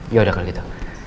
yaudah kalau gitu